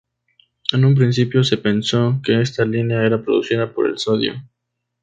En un principio se pensó que esta línea era producida por el sodio.